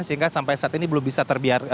sehingga sampai saat ini belum bisa terbiarkan